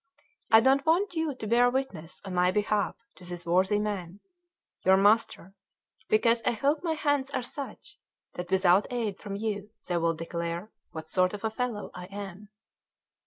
I don't want you to bear witness on my behalf to this worthy man, your master, because I hope my hands are such that without aid from you they will declare what sort of a fellow I am."